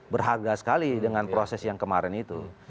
berharga sekali dengan proses yang kemarin itu